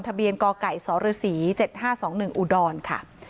ทะเบียนกไก่สฤ๗๕๒๑อุดรค่ะ